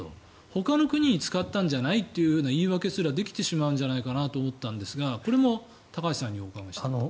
ほかの国に使ったんじゃないという言い訳すらできてしまうんじゃないかなと思ったんですがこれも高橋さんにお伺いしたいんですが。